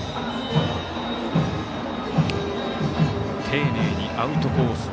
丁寧にアウトコース